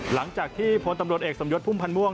หลังจากที่พลตำรวจเอกสมยศพุ่มพันธ์ม่วง